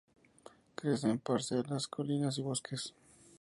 Crece en parcelas, colinas y bosques.